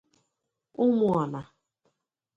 Ụmụọna